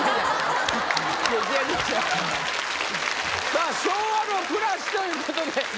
さぁ「昭和の暮らし」ということで。